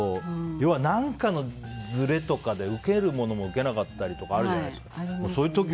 でも、何かのずれとかでウケるものもウケなかったりとかあるじゃないですか。